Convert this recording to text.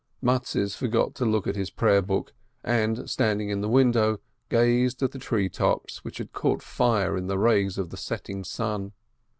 Mattes forgot to look at his prayer book, and, standing in the window, gazed at the tree tops, which had caught fire in the rays of the setting sun.